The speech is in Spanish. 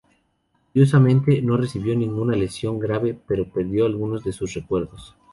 Curiosamente, no recibió ninguna lesión grave, pero perdió algunos de sus recuerdos.